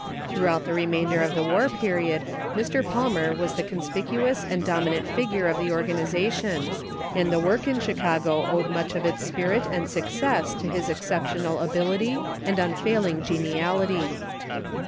Throughout the remainder of the war period Mr. Palmer was the conspicuous and dom inant figure of the organization, and the work in Chicago owed much of its spirit and success to his exceptional ability and unfailing geniality.